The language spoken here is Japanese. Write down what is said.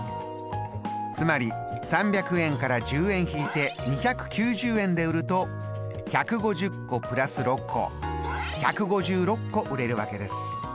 つまり３００円から１０円引いて２９０円で売ると１５０個＋６個１５６個売れるわけです。